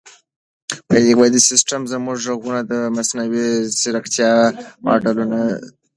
دا سیسټم زموږ ږغونه د مصنوعي ځیرکتیا ماډلونو ته ورکوي.